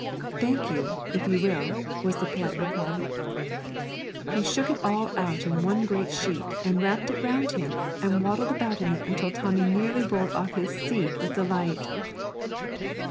'Thank you, if you will,' was the polite reply. He shook it all out in one great sheet and wrapped it round him, and waddled about in it until Tommy nearly rolled off his seat with delight.